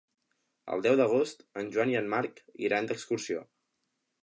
El deu d'agost en Joan i en Marc iran d'excursió.